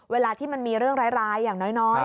เวลาที่มันมีเรื่องร้ายอย่างน้อย